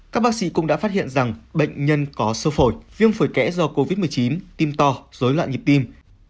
các bác sĩ cũng đã phát hiện rằng bệnh nhân có sơ phổi viêm phổi kẽ do covid một mươi chín tim to dối loạn nhịp tim